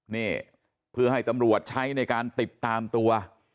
นี่เพื่อให้ตำรวจใช้ในการติดตามตัว